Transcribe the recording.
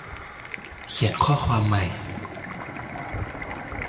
เขียนข้อความใหม่